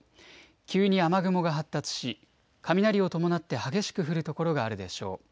急に雨雲が発達し雷を伴って激しく降る所があるでしょう。